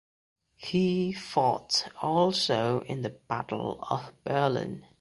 He fought also in the Battle of Berlin.